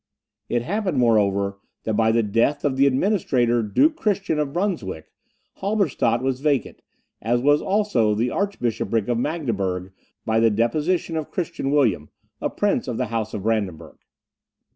It happened, moreover, that by the death of the Administrator Duke Christian of Brunswick, Halberstadt was vacant, as was also the Archbishopric of Magdeburg by the deposition of Christian William, a prince of the House of Brandenburgh.